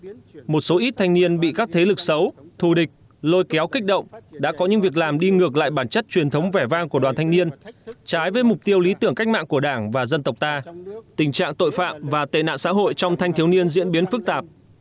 trong đó một số ít thanh niên bị các thế lực xấu thù địch lôi kéo kích động đã có những việc làm đi ngược lại bản chất truyền thống vẻ vang của đoàn thanh niên trái với mục tiêu lý tưởng cách mạng của đảng và dân tộc ta tình trạng tội phạm và tệ nạn xã hội trong thanh thiếu niên diễn biến phức tạp